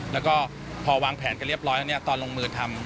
แล้วก็พอวางแผนกันเรียบร้อยแล้วตอนลงมือทำ